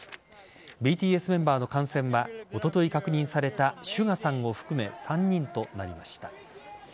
ＢＴＳメンバーの感染はおととい確認されたＳＵＧＡさんを含め３人となりました。